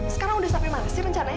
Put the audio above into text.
sekarang udah sampai mana sih rencana ya